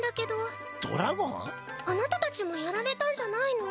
あなたたちもやられたんじゃないの？